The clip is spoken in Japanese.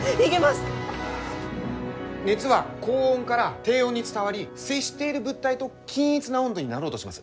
熱は高温から低温に伝わり接している物体と均一な温度になろうとします。